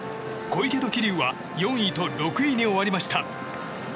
小池と桐生は４位と６位に終わりました。